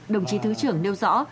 đồng chí thứ trưởng nêu rõ